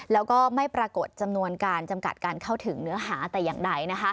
แล้วก็ไม่ปรากฏจำนวนการจำกัดการเข้าถึงเนื้อหาแต่อย่างใด